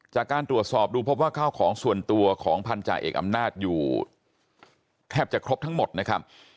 จากการตรวจสอบดูพบว่าข้าวของส่วนตัวของพันธาเอกอำนาจอยู่แทบจะครบทั้งหมดนะครับ